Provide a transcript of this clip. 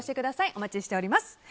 お待ちしております。